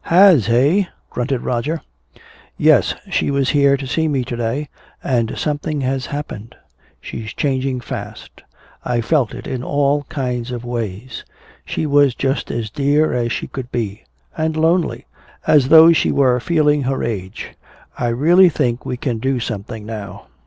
"Has, eh," grunted Roger. "Yes, she was here to see me to day. And something has happened she's changing fast. I felt it in all kinds of ways. She was just as dear as she could be and lonely, as though she were feeling her age. I really think we can do something now."